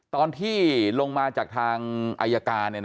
ตอนที่ลงมาจากทางอายการ